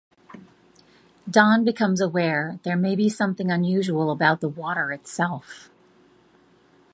Don becomes aware there may be something unusual about the water itself.